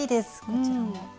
こちらも。